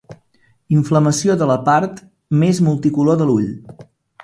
Inflamació de la part més multicolor de l'ull.